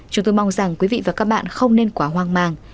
chúng tôi mong rằng quý vị và các bạn không nên quá hoang mang